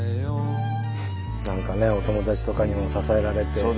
何かねお友達とかにも支えられて。